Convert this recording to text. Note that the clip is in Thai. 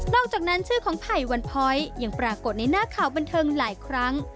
อกจากนั้นชื่อของไผ่วันพ้อยยังปรากฏในหน้าข่าวบันเทิงหลายครั้ง